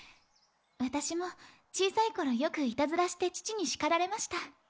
私も小さいころよくいたずらして父に叱られました。